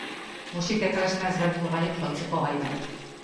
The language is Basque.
Musika-tresna ezberdin ugari jotzeko gai da.